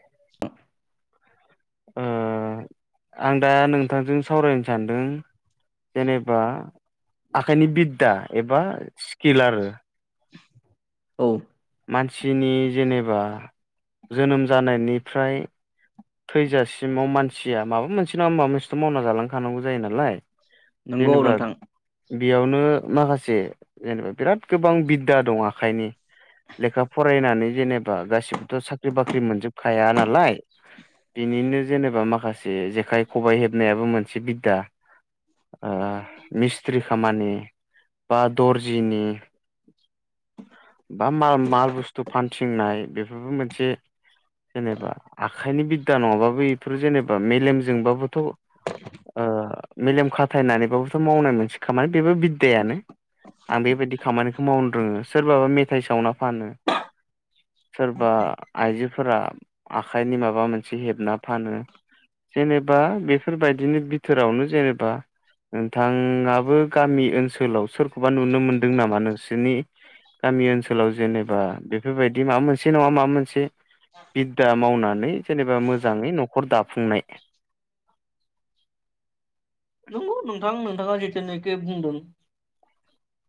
[inaudible] ओम आं दा नोंथांजों सावरायनो सानदों जेनेबा आखाइनि बिदा एबा स्किल आरो। औ मानसिनि जेनेबा जोनोम जानायनिफ्राय थैजासिमाव मानसिया माबा मोनसे नङा होमाबा मोनसेथ' मावना जालांखानांगौ जायो नालाय। नंगौ जेनेबा नोंथां बेयावनो माखासे जेनेबा बिराद गोबां बिदा दं आखाइनि। लेखा फरायनानै जेनेबा गासिबोथ' साख्रि बाख्रि मोनजोबखाया नालाय। बेनिनो जेनेबा माखासे जे जेखाइ खबाइ हेबनायाबो मोनसे बिद्दा ओ मिस्ट्रि खामानि बा दर्जिनि बा माल माल बुस्थु फानथिंनाय बेफोरबो मोनसे जेनेबा आखाइनि बिद्दा नङाबाबो बेफोरो जेनेबा मेलेमजोंबाबोथ' ओ मेलेम खाथायनानैबाबोथ' मावनाय मोनसे खामानि बेबो बिददायानो आं बेबायदि खामानिखौ मावनो रोङो सोरबाबा मेथाइ सावना फानो सोरबा आइजोफोरा आखाइनि माबा मोनसे हेबना फानो जेनेबा बेफोरबायदिनि बिथोरावनो जेनेबा नोंथाङाबो गामि ओनसोलाव सोरखौबा नुनो मोनदों नामा नोंसोरनि गामि ओनसोलाव जेनेबा बेफोरबायदि माबा मोनसे नङा माबा मोनसे बिद्दा मावनानै जेनेबा मोजाङै न'खर दाफुंनाय नंगौ नोंथां नोंथाङा जिथुनाखि बुंदों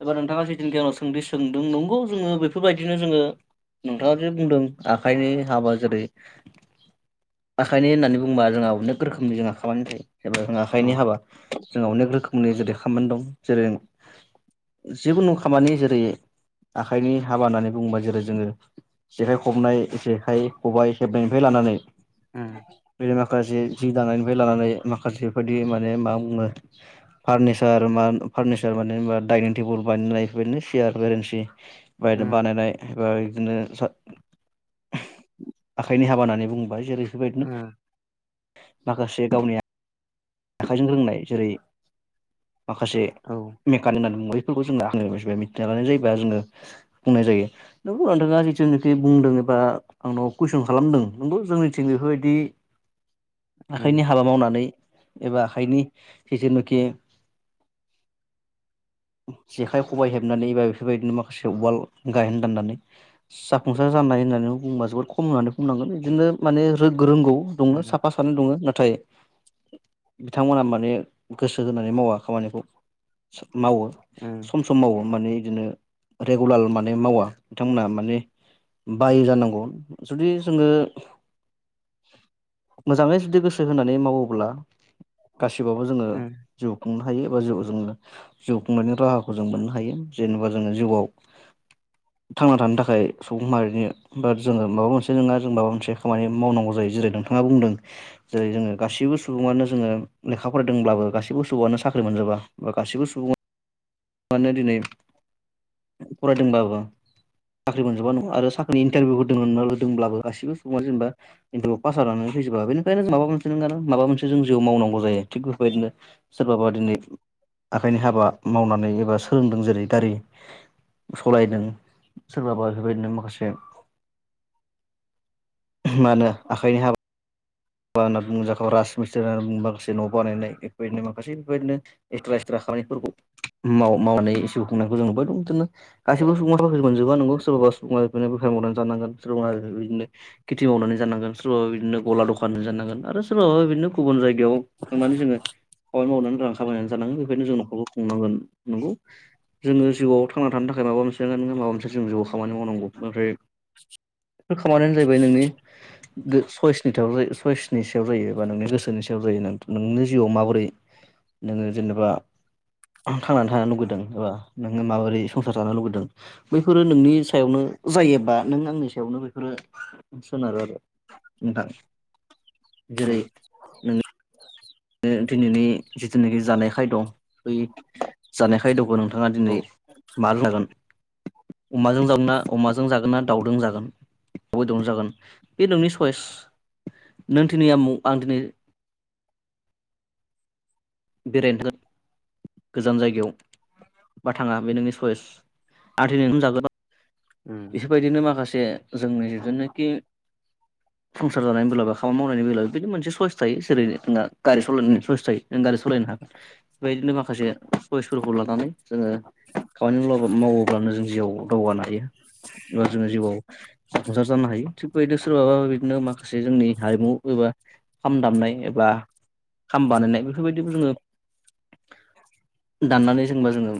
एबा नोंथाङा जेथुनिखि सोंथि सोंदों नंगौ जोङो बेफोरबायदिनो जोङो नोंथाङा जे बुंदों आखाइनि हाबा जेरै आखाइनि होननानै बुंङोबा जोंहा अनेक रोखोमनि जोंहा खामानि थायो जे जों औ आखाइनि हाबा जोंहा अनेक रोखोमनि जेरै खामानि दं जेरै जेखुनु खामानि जेरै आखाइनि हाबा होननानै बुङोबा जेरै जोङो जेखाइ खबनाय जेखाइ खबाइ हेबनायनिफ्राय लानानै उम बेै माखासे जि दानायनिफ्राय लानानै माखासे बेबायदि माने मा बुङो फार्निचार फारनिचार माने होनबा दाइनिं टेबोल बानायनाय बेबायदिनो सियार बेरेन्सि बाय उम बानायनाय एबा बिदिनो आखाइनि हाबा होननानै बुंबाय जेरै बेफोरबायदिनो उम माखासे गावनि आखाइजों रोंनाय जेरै माखासे औ मेकानिक होनना बुङो [unintelligible] मिथिना लानाय जायोबा जोङो बुंनाय जायो नोंगौ नोंथाङा जिथुनाखि बुंदों एबा आंनाव कुइसन खालामदों नंगौ जोंनिथिं बेफोरबायदि आखाइनि हाबा मावनानै एबा आखाइनि जिथुनाखि [inaudible] जेखाइ खबाय हेबनानै एबा बेफोरबायदिनो माखासे उवाल गायहेन दाननानै जाफुंसार जानाय होननानै बुंङोबा जोबोद खम होननानै बुंनांगोन बिदिनो माने रों रोंगौ दङ उम साफा सानै दङ नाथाय बिथांमोना मा ने गोसो होनानै मावा खामानिखौ मावो उम समाव माने बिदिनो रेगुलार माने मावा बिथांमोनहा माने बायो जानांगौ जुदि जोङो मोजाङै जुदि गोसो होनानै मावोब्ला गासिबावबो जोङो उम जिउ खुंनो हायो एबा जिउ जोङो जिउ खुंनायनि राहाखौ जों मोननो हायो जेनेबा जोङो जिउआव [inaudible] थांना थानो थाखाय सुबुं माहारिनि बा जोङो माबा मोनसे नङा जों माबा मोनसे खामानि मावनांगौ जायो जेरै नोंथा थाङा बुंदों जेरै जोङो गासैबो सुबुङानो जोङो लेखा फरायदोंब्लाबो गासिबो सुबुआनो साख्रि मोनजोबा बा गासिबो सुबुं माने दिनै फरायदोंबाबो साख्रि मोनजोबा नङा आरो साख्रिनि इन्टारभिउ होदोंना होदोंब्लाबो गासिबो समा जेनेबा [unintelligible] फैजोबा बेनिफ्रायनो माबा मोनसे [unintelligible] माबा मोनस जों जिउआव मावनांगौ जायो थिग बेबायदिनो सोरबाबा दिनै आखाइनि हाबा मावनानै एबा सोलोंदों जेरै गारि सलायदों सोरबाबा बेबायदिनो माखासे मानो आखाइनि हाबा बा होनना [unintelligible] राजमिस्त्रि होननानै बुङोब्ला माखासे न' बानायनाय बेफोरबायदिनो माखासे बेफोरबायदिनो एक्सट्रा एक्सट्रा खामानिफोरखौ मावनानै जिउ खुंनाखौ जों नुबोदो बिदिनो गासैबो सुबङा मोनजोबा नोंगौ सोरबाबा सुबनो बेफार मावनानै जानांगोन सोर बिदिनो खेथि मावनानै जानांगोन सोरा बिदिनो गला दखान फानना जानांगोन आरो सोरबाबा बिदिनो गुबुन जायगायाव थांनानै जोङो खामानि नि मावनानै रां खामायनानै जानांगोन बेखौनो जों न'खरखौ खुंनांगोन नंगौ जोङो जिउआव थांना थानो थाखाय माबा मोनसे नङा माबा मोनसे जों जिउआव खामानि मावनांगौ ओमफ्राय बेफोर खामानियानो जाहैबाय नोंनि सयसनि सायाव जायो सइसनि सायाव जायो बा नोंनि गोसोनि सायाव जायो नोंनि जिउआव माबोरै नोङो जेनेबा थांनानै थानो लुगैदों एबा नोङो माबोरै संसार जानो लुगैदों बैफोरो नोंनि सायावनो जायोबा नों आंनि सायावनो बैफोरो सोनारो आरो नोंथां औ जेरै नों दिनैनि जिथुनाखि जानाय खायद बै जानाय खायदखौ' नोंथाङा दिनै औ मा जागोन अमाजों जागो ना अमाजों जागोन ना दाावउजों जागोन अमा बेदरजों जागोन बे नोंनि सइस नों दिनै आमुग आं दिनै [unintelligible] गोजान जायगायाव बा थाङा बे नोंनि सयस आं दिनै ओंखाम जाग्रोबा उ बेफोरबायदिनो माखासे जोंनि जेनोखि [inaudible] संसार जानाय बेलाबो खामानि मावनायनि बेलाबो बिदि मोनसे चयस थायो जेरै नोंहा गारि सालायनायनि सयस थायो नों गारि सलायनायनो हा बेबायदिनो माखासे चइसफोरखौ लानानै जोङो खामानि मावब्ला मावोब्लानो जों जिउआव दावगानो हायो एबा जोङो जिउआव जाफुंसार जानो हायो थिग बेबायदि सोरबाबा बिदिनो माखासे जोंनि हारिमु एबा खाम दामनाय एबा खाम बानायनाय बेफोरबायदिखौ जोङो [inaudible] दाननानै जेनेबा जोङो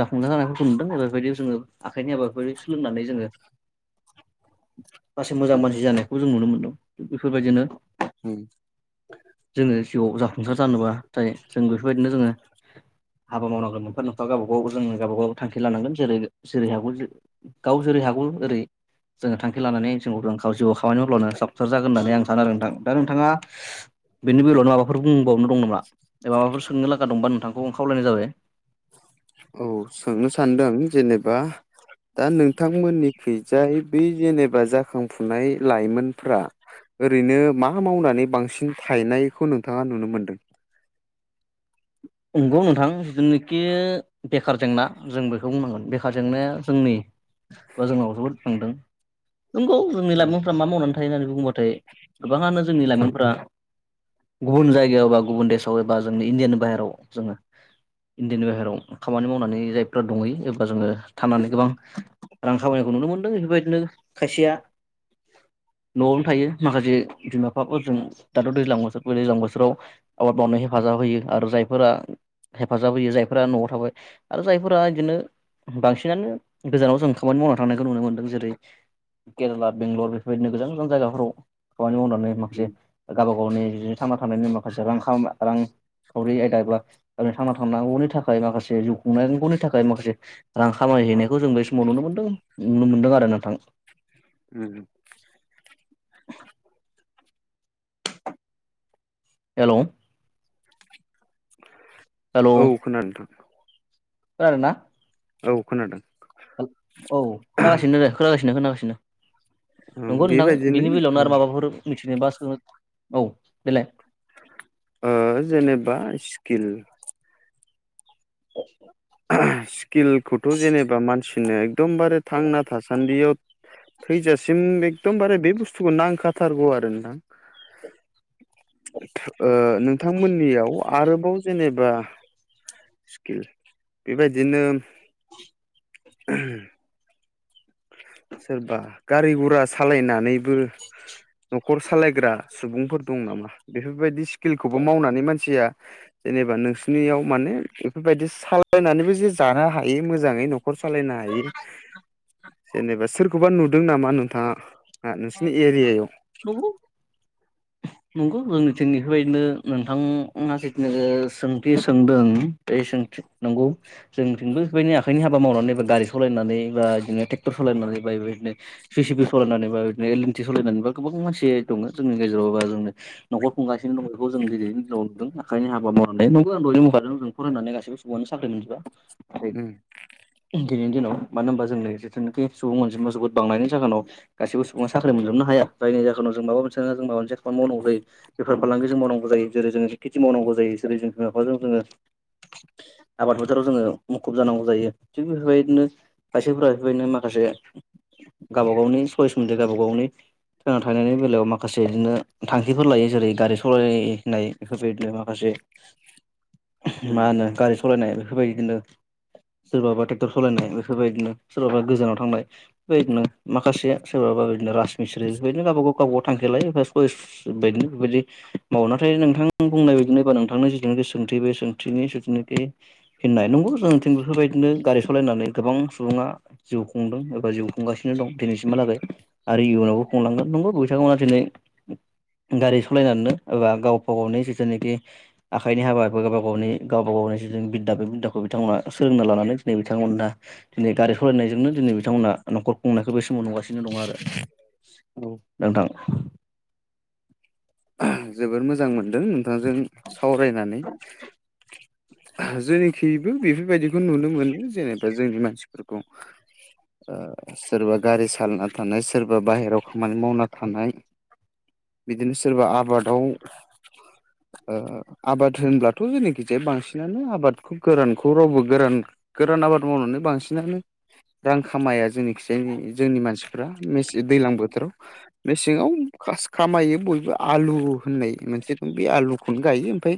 जाफुंजार जानायफोरखौ नुदों बेफोरबायदियाव जोङो आखाइनि हाबा फारि खुलुमनानै जोङो मोजां मानसि जानायखौ जों नुनो मोनदों थिग बेफोरबायदिनो उ जोङो जिउआव जाफुंसार जानोबा जाय जों बेफोरबायदिनो जोङो हाबा मावनांगोन मोनफा मोनफा गावबा गाव जोङो गावबा गाव थांखि लानांगोन जेरै जेरै हागौ गाव जेरै हागौ ओरै जोङो थांखि लानानै [unintelligible] जिउआव खामानि मावब्लानो जाफुंसार जागोन होननानै आं सानो आरो नोंथां दा नोंथाङा बेनि बेलायावनो माबाफोर बुंबावनो दं एबा माबाफोर सोंनो लागा दंबा नोंथांखौ आं खावलायनाय जाबाय औ सोंनो सानदों जेनेबा दा नोंथांमोननिखैजाय बे जेनेबा जाखांफुनाय लाइमोनफ्रा ओरैनो मा मावनानै बांसिन थायनायखौ नोंथाङा नुनो मोन्दों नंगौ नोंथां जोंनोखि बेखार जेंना जों बेखौ बुंनांगोन बेखार जेंनाया जोंनि बा जोंनाव जोबोद थांदों नंगौ जोंनि उम लाइमोनफ्रा मा मावनानै थां थायनारि बुंङोबाथाय गोबाङानो जोंनि लाइमोनफोरा गुबुन जायगायाव बा गुबुन देशआव एबा जोंनि इण्डियानि बाहेराव जोङो इण्डियानि बाहेरायाव खामानि मावनानै जायफ्रा दंहैयो एबा जोङो थानानै गोबां रां खामायनायखौ नुनो मोन्दों बेफोरबायदिनो खायसेया न'वावनो थायो माखासे बिमा बिफाफोरजों दाथ' दैज्लां बोसोर दैज्लां बोथोराव आबाद मावनायाव हेफाजाब होयो आरो जाय फोरा हेफाजाब होयो जायफोरा न'वाव थाबाय आरो जायफोरा इदिनो बांसिनानो गोजानाव जों खामानि मावना थांनायखौ नुनो मोन्दों जेरै केरेला बेंगलर बेफोरबायदिनो गोजान गोजान जायगाफोराव खामानि मावना। थांनाय माखासे उम गावबा गावनि थांना थानायनि माखासे रां खा रांखावरि आयदा एबा थांना थांनांगौनि थाखाय माखासे जिउ खुंनांगौनि थाखाय माखासे रां खामायहैनायखौ जों बे समाव नुनो मोनदों नुनो मोनदों आरो नोंथां। उम। हेलौ औ खोनादों ना नोथां? खोनादोंना। औ खोनादों। औ खोनागासिनो खोनागासिनो खोनागासिनो ओं नंगौ नोंथां बेबायदिनो बिनि बेलायावनो उम आरो माबाफोर मिथिनोबा सों औ देलाय औ जेनेबा स्किला [inaudible] स्किलखौथ' जेनेबा मानसिनो एकदमबारे थांना थासान्दियाव। थैजासिम एकदमबारे बे बुस्थुखौ नांखाथारगौ आरो नोंथां। नोंथांमोननियाव आरोबाव जेनेबा। स्किला बेबायदिनो [unintelligible] सोरबा गारि गुरा सालायनानैबो न'खर सालायग्रा सुबुंफोर दं नामा बेफोरबायदि स्किलखौबो मावनानै मानसिया। जेनेबा नोंसोरनियाव माने बेफोरबायदि सालायनानैबो जे जानो हायो मोजाङै न' ओ खर सालायनो हायो जेनेबा सोरखौबा नुदों नामा नोंथाङा नोंसिनि एरियायाव। औ नंगौ। [inaudible] नंगौ जोंनिथिं बेफोरबायदिनो नोंथाङा जिथुनाखि सोंथि सोंदों बे सोंथि नंगौ। जोंथिबो बेबायदिनो आखाइनि हाबा मावनानैबा गारि सालायनानै बा बिदिनो ट्रेक्टर सालायनानै बा बेबादिनो जि सिपि सालायनानै बा बिदिनो एल एनटि सालायनानै बा गोबां मानसि दङ जोंनि गेजेराव बा जोंनो नखर खुंगासिनो दं बेखौ जों दिनैनि दिनाव नुदों आखाइनि हाबा मावनाय नोंगौ दहयनो बुखादोंमोन जों औ‌ फरायनानै गासैबो सुबुङानो साख्रि मोनजोबा आरो उम दिनैनि दिनाव मानो होनबा जोंनि जिथुनाखि सुबुं अनजिमा जोबोद बांनायनि जाहोनाव गासिबो सुबुं साख्रि मोनजोबनो हाया जायनि जाहोनाव जों माबा मोनसे नङा माबा मोनसे खामानि मावनांगौ जायो। बेफार फालांगि जों मावनांगौ जायो जेरै जोङो खेथि मावनांगौ जायो जेरै जों बिमा-बिफाजों जोङो ओ आबाद फोथाराव जोङो मुखुब जानांगौ जायो थिग बेफोरबादिनो खायसेफोरा बेफोरबायदिनो माखासे गावबा गावनि सयिस मुथे गावबा गावनि थांना थानायनि बेलायाव माखासे बिदिनो थांखिफोर लायो जेरै गारि स'लायनाय बेफोरबादिनो माखासे [unintelligible] मा होनो स'लायनाय बेफोरबायदिनो सोरबाबा ट्रेक्टर स'लायनाय बेफोरबायदिनो सोरबाबा गोजानाव थांनाय। बेबायदिनो माखासे सोरबाबा बिदिनो राजमिस्रि बेफोरदिनो गावबा गाव गावबागाव थांखि लायो बा सयिसा बेबायदि माव नाथाय नोंथां बुंनाय बायदि बा नोंथांनो जिथुखि सोंथि बे सोंथिनि जिथुनाखि होननाय नंगौ जोंथिं बेफोरबायदिनो गारि सालायनानै गोबां सुबुङाबो जिउ खुंदों एबा जिउ खुंगासिनो दं दिनैसिमहालागै आरो इयुनावबो ओ खुंलांगोन नंगौ बिथांमोना दिनै गारि स'लायनानैनो एबा गावबा गावनि जिथुनिखि आखाइनि हाबाखौ गावबा गावनि गावबा गावनि जि बिद्दा बे बिद्दाखौ बिथांमोनहा सोलोंना लानानै दिनै बिथांमोनहाबो दिनै गारि सालायनायजोंनो दिनै बिथांमोना न'खर खुंनायखौ बे समाव नुगासिनो ओ नो दं आरो औ नोंथां। जोबोर मोजां मोनदों नोंथांजों सावरायनानै। जोंनिखिबो बेफोरबायदिखौ नुनो मोनो जेनेबा जोंनि मानसिफोरखौ ओ सोरबा गारि सालायना थानाय सोरबा बाहेरायाव खामानि मावना थानाय। बिदिनो सोरबा आबादाव ओ। आबाद होनब्लाथ' जोंनिखिजाय बांसिनानो आबादखौ गोरानखौ रावबो गोरान। गोरान आबाद मावनानै बांसिनानो रां खामाया जोंनि खिजाय जोंनि मानसिफ्रा मेसे दैज्लां बोथोराव मेसेङाव खास खामायो बयबो। आलु होननाय मोनसे दं बे आलुखौनो गायो ओमफाय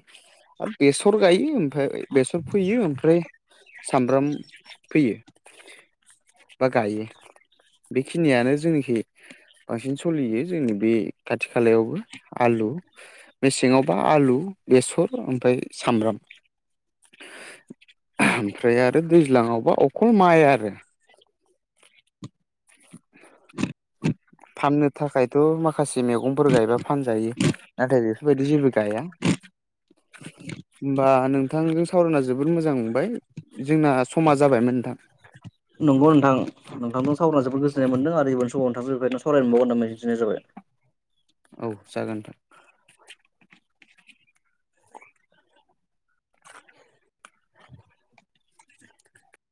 आरो बेसर गायो ओमफाय बेसर फोयो ओमफ्राय सामब्राम फैयो। बा गायो। बेखिनियानो जोंनिखि बांसिन सलियो जोंनि बे खाथि खालायावबो आलु मेसेङावबा आलु, बेसर ओमफाय सामब्राम ओमफ्राय आरो दैज्लाङावबा अखल माइ आरो फाननो थाखायथ' माखासे मैगंफोर गायबा फानजायो नाथाय बेफोरबायदि जेबो गाया। होमबा नोंथांजों सावरायना जोबोद मोजां मोनबाय जोंना समा जाबायमोन नोंथां। नंगौ नोंथां। नोंथांजों सावरायना जोबोद गोजोननाय मोनदों आरो उननि समावबो नोंथांजों बेबायदिनो सावरायबगोन होननानै मिजिं थिनाय जाबाय। औ जागोन नोंथां।